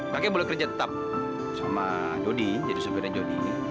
kakek boleh kerja tetap sama jody jadi supirnya jody